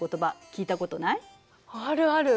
あるある！